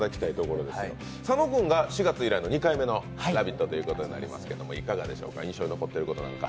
佐野君が４月以来の２回目の「ラヴィット！」となりますけど、いかがでしょうか印象に残ってることは？